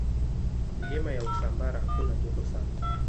Milima ya Usambara hakuna joto sana.